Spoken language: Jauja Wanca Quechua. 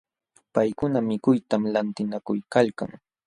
Paykuna mikuytam lantinakuykalkan.